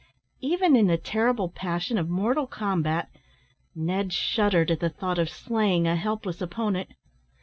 Even in the terrible passion of mortal combat, Ned shuddered at the thought of slaying a helpless opponent.